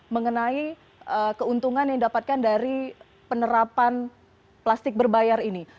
mengenai keuntungan yang didapatkan dari penerapan plastik berbayar ini